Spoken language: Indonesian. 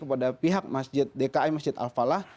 kepada pihak masjid dki masjid al falah